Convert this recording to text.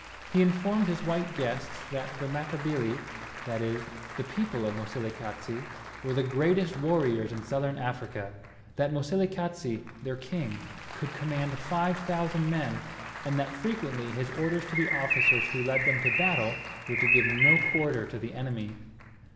He informed his white guests that the Matabili that is, the people of Moselekatse were the greatest warriors in Southern Africa, that Moselekatse, their king, could command five thousand men, and that frequently his orders to the officers who led them to battle were to give no quarter to the enemy.